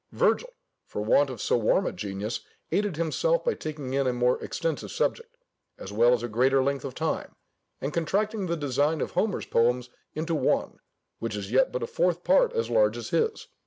Virgil, for want of so warm a genius, aided himself by taking in a more extensive subject, as well as a greater length of time, and contracting the design of both Homer's poems into one, which is yet but a fourth part as large as his.